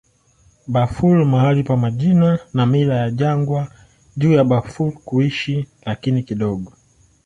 Bafur mahali pa majina na mila ya jangwa juu ya Bafur kuishi, lakini kidogo.